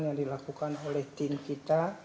yang dilakukan oleh tim kita